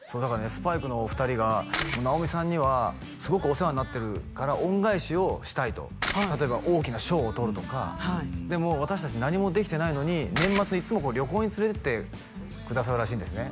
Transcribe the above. スパイクのお二人が「直美さんにはすごくお世話になってるから」「恩返しをしたい」とはい例えば大きな賞を取るとかでも私達何もできてないのに年末いつも旅行に連れてってくださるらしいんですね